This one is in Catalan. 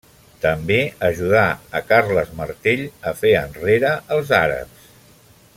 També ajudà a Carles Martell a fer enrere els àrabs.